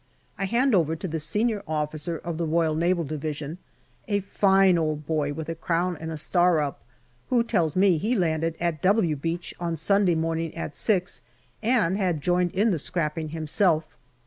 I hand over to the senior officer of the R.N.D. a fine old boy with a crown and a star up who tells me he landed at " W " Beach on Sunday morning at six, and had joined in the scrapping himself.